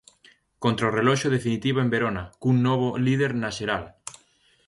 Contra o reloxo definitiva en Verona, cun novo líder na xeral.